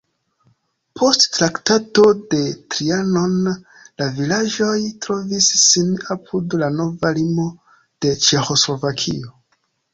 Post Traktato de Trianon la vilaĝoj trovis sin apud la nova limo de Ĉeĥoslovakio.